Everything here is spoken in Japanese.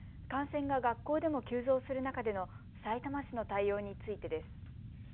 感染が学校でも急増する中でのさいたま市の対応についてです。